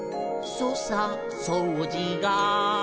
「そうさそうじが」